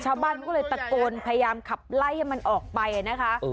ชาวบ้านก็เลยตะโกนพยายามขับไล่ให้มันออกไปนะคะ